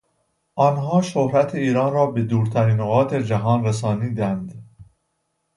آنان شهرت ایران را به دورترین نقاط جهان رسانیدند.